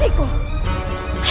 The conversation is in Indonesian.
ayo kita bermain main